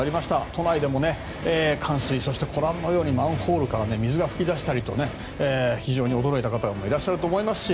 都内でも冠水、そしてご覧のようにマンホールから水が噴き出したりと非常に驚いた方もいらっしゃると思いますし